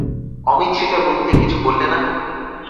অমিত সেটা বুঝলে, কিছু বললে না।